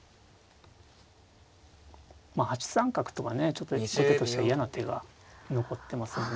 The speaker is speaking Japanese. まあ８三角とかねちょっと後手としては嫌な手が残ってますよね。